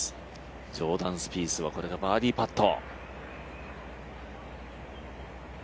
ジョーダン・スピースはこれがバーディーパット。